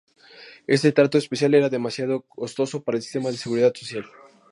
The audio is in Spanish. Ese trato especial era demasiado costoso para el sistema de seguridad social.